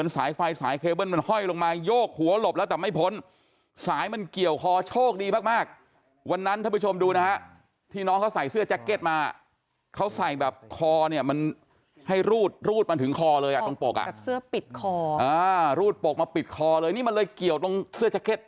เสื้อปิดคออ่ารูดปกมาปิดคอเลยนี่มันเลยเกี่ยวตรงเสื้อแจ็คเก็ต